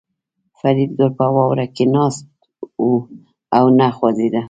فریدګل په واوره کې ناست و او نه خوځېده